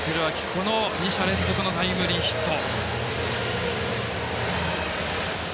この２者連続のタイムリーヒット。